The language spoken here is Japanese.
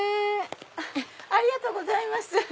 ありがとうございます。